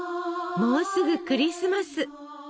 もうすぐクリスマス！